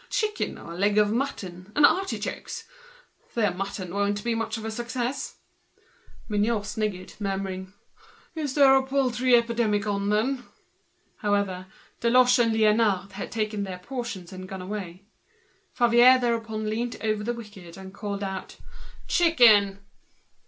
Chicken, or leg of mutton, and artichokes! Their mutton won't be much of a success!" Mignot sniggered, murmuring, "Everyone's going in for chicken, then!" However, Deloche and Liénard had taken their portions and had gone away. Favier then leant over at the wicket and called out—"Chicken!"